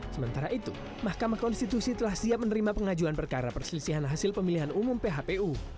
sementara itu mahkamah konstitusi telah siap menerima pengajuan perkara perselisihan hasil pemilihan umum phpu